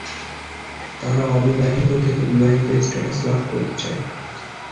তারা অবিবাহিত থেকে বিবাহিত স্ট্যাটাস লাভ করতে চায়।